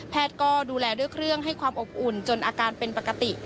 ก็ดูแลด้วยเครื่องให้ความอบอุ่นจนอาการเป็นปกติ